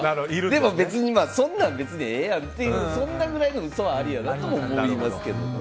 でも別にそんなんええやんっていうくらいの嘘はありやなと思いますけどね。